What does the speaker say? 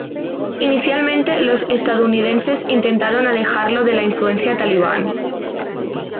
Inicialmente, los estadounidense intentaron alejarlo de la influencia talibán.